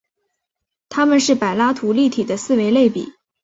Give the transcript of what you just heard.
它们是柏拉图立体的四维类比。